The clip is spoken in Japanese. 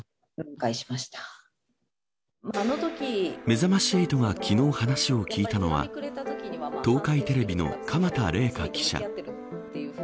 めざまし８が昨日、話を聞いたのは東海テレビの鎌田麗香記者。